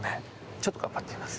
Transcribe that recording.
ちょっと頑張ってみます。